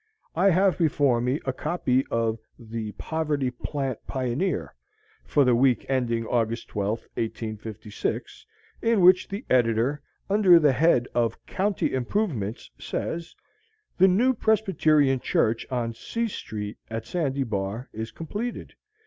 I have before me a copy of the "Poverty Flat Pioneer," for the week ending August 12, 1856, in which the editor, under the head of "County Improvements," says: "The new Presbyterian Church on C Street, at Sandy Bar, is completed.